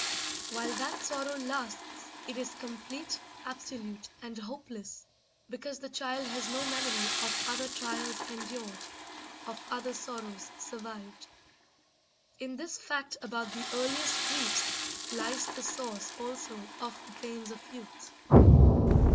While that sorrow lasts it is complete, absolute, and hopeless, because the child has no memory of other trials endured, of other sorrows survived. In this fact about the earliest griefs lies the source also of the pains of youth.